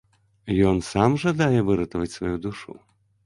Ён сам жадае выратаваць сваю душу?